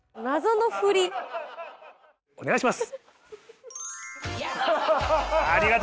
お願いします！